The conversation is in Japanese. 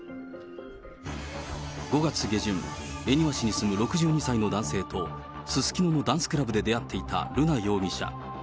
５月下旬、恵庭市に住む６２歳の男性とすすきののダンスクラブで出会っていた瑠奈容疑者。